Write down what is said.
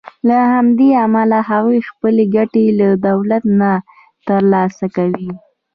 له همدې امله هغوی خپلې ګټې له دولت نه تر لاسه کوي.